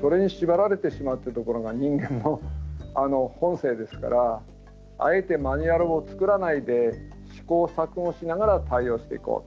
それに縛られてしまうっていうところが人間の本性ですからあえてマニュアルを作らないで試行錯誤しながら対応していこうと。